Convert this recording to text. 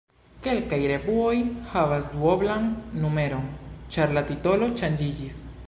Kelkaj revuoj havas duoblan numeron, ĉar la titolo ŝanĝiĝis.